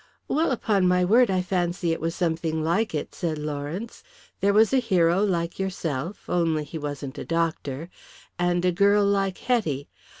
"Well, upon my word, I fancy it was something like it," said Lawrence. "There was a hero like yourself, only he wasn't a doctor, and a girl like Hetty.